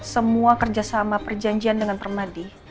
semua kerjasama perjanjian dengan permadi